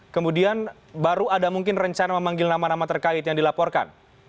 kemudian baru ada mungkin rencana memanggil nama nama terkait yang dilaporkan